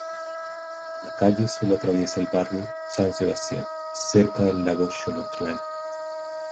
La calle sólo atraviesa el barrio San Sebastián, cerca del Lago Xolotlán.